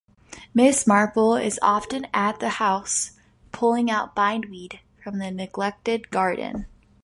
Miss Marple is often at the house, pulling out bindweed from the neglected garden.